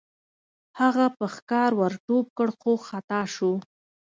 هغه په ښکار ور ټوپ کړ خو خطا شو.